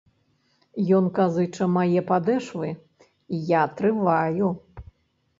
Ён казыча мае падэшвы, я трываю.